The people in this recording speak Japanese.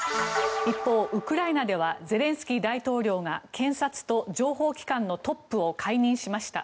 一方、ウクライナではゼレンスキー大統領が検察と情報機関のトップを解任しました。